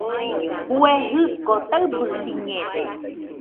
Kue jɨko taɨbɨsiñede